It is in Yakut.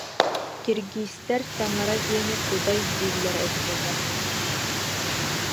Киргизтэр таҥара диэни кудай дииллэр эбит этэ